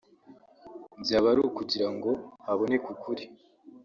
byaba ari ukugira ngo haboneke ukuri